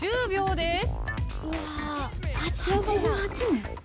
８８年？